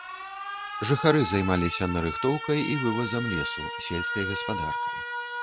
Жыхары займаліся нарыхтоўкай і вывазам лесу, сельскай гаспадаркай.